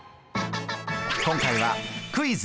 今回はクイズ！